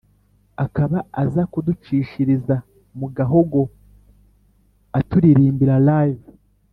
akaba aza kuducishiriza mu gahogo aturirimbira live